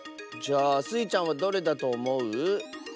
じゃあスイちゃんはどれだとおもう？